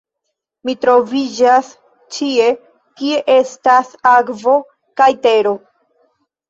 "Mi troviĝas ĉie kie estas akvo kaj tero."